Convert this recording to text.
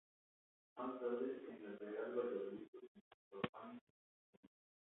Más tarde, en el Real Valladolid continuó junto a Juan Ignacio Martínez.